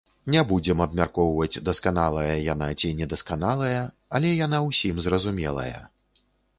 Не будзем абмяркоўваць, дасканалая яна ці недасканалая, але яна ўсім зразумелая.